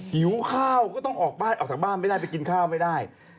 หิวข้าวก็ต้องออกบ้านออกจากบ้านไม่ได้ไปกินข้าวไม่ได้